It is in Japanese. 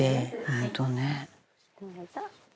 「本当ね」